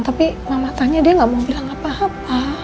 tapi mama tanya dia gak mau bilang apa apa